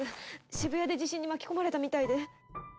渋谷で地震に巻き込まれたみたいで。